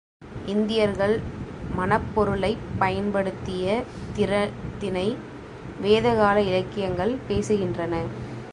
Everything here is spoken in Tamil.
இந்தியர்கள் மணப்பொருளைப் பயன்படுத்திய திறத்தினை வேதகால இலக்கியங்கள் பேசுகின்றன.